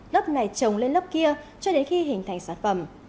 lớp này trồng lên lớp kia cho đến khi hình thành sản phẩm